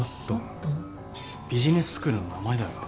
ビジネススクールの名前だよな。